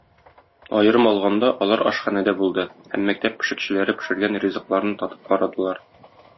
Аерым алганда, алар ашханәдә булды һәм мәктәп пешекчеләре пешергән ризыкларны татып карадылар.